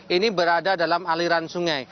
ini berada dalam aliran sungai